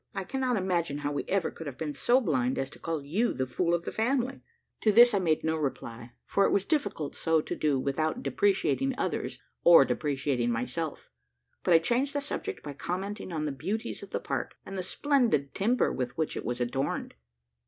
I cannot imagine how we ever could have been so blind as to call you the fool of the family." To this I made no reply, for it was difficult so to do without depreciating others or depreciating myself: but I changed the subject by commenting on the beauties of the park, and the splendid timber with which it was adorned.